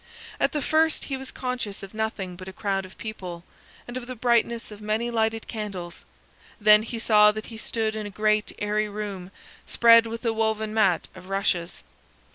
At the first, he was conscious of nothing but a crowd of people, and of the brightness of many lighted candles; then he saw that he stood in a great airy room spread with a woven mat of rushes.